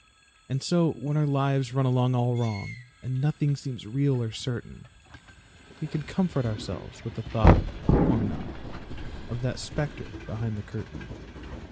And so when our lives run along all wrong, And nothing seems real or certain, We can comfort ourselves with the thought (or not) Of that specter behind the curtain.